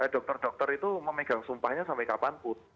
dokter dokter itu memegang sumpahnya sampai kapanpun